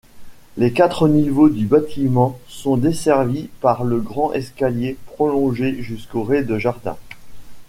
Les quatre niveaux du bâtiment sont desservis par le grand escalier prolongé jusqu'au rez-de-jardin.